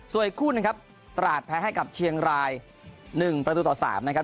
ส่วนอีกคู่หนึ่งครับตราดแพ้ให้กับเชียงราย๑ประตูต่อ๓นะครับ